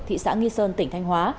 thị xã nghi sơn tỉnh thanh hóa